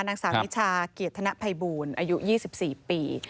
นางศาสตร์วิชาเกียจทะนะไพบูญอายุ๒๔ปี